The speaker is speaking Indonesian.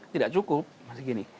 tidak cukup masih gini